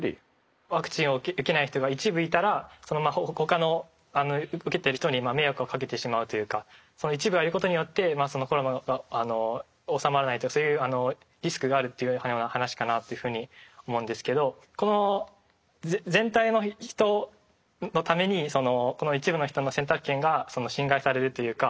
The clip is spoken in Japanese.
ワクチンを受けない人が一部いたら他の受けてる人に迷惑をかけてしまうというかその一部がいることによってコロナが収まらないとかそういうリスクがあるっていうふうな話かなっていうふうに思うんですけどこの全体の人のためにこの一部の人の選択権が侵害されるっていうか